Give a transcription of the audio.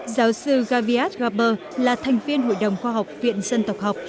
giáo sư vagyat gaber là thành viên hội đồng khoa học viện dân tộc học